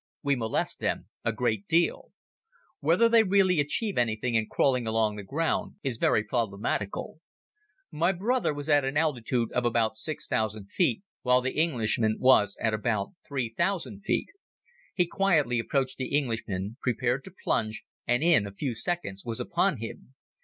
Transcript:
We molest them a great deal. Whether they really achieve anything in crawling along the ground is very problematical. My brother was at an altitude of about six thousand feet, while the Englishman was at about three thousand feet. He quietly approached the Englishman, prepared to plunge and in a few seconds was upon him.